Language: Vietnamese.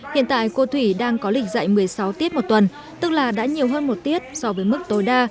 hiện tại cô thủy đang có lịch dạy một mươi sáu tiết một tuần tức là đã nhiều hơn một tiết so với mức tối đa